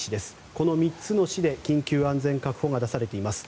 この３つの市で緊急安全確保が出されています。